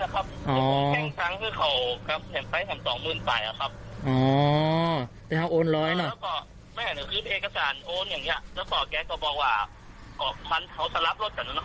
แขงในอีก๓๔ปีแล้วนะทุ่พ่ะอีก๓ปีแล้วครับไม่ใช่อีกตัวจะครับ